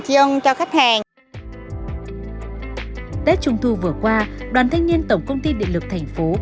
tết trung thu vừa qua đoàn thanh niên tổng công ty điện lực tp hcm